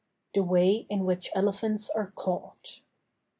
THE WAY IN WHICH ELEPHANTS ARE CAUGHT.